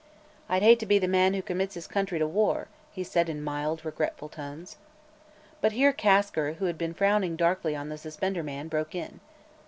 "I'd hate to be the man who commits his country to war," he said in mild, regretful tones. But here, Kasker, who had been frowning darkly on the suspender man, broke in.